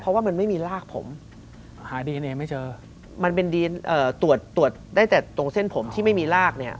เพราะว่ามันไม่มีรากผมหาดีเอนเอไม่เจอมันเป็นดีเอ่อตรวจตรวจได้แต่ตรงเส้นผมที่ไม่มีรากเนี่ย